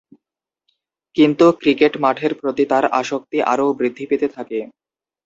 কিন্তু ক্রিকেট মাঠের প্রতি তার আসক্তি আরও বৃদ্ধি পেতে থাকে।